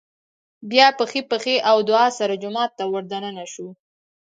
بيا په ښۍ پښې او دعا سره جومات ته ور دننه شو